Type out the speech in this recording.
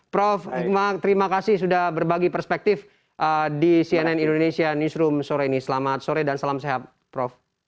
prof hikmah terima kasih sudah berbagi perspektif di cnn indonesia newsroom sore ini selamat sore dan salam sehat prof